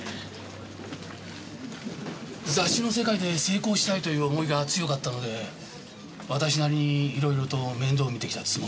雑誌の世界で成功したいという思いが強かったので私なりにいろいろと面倒みてきたつもりです。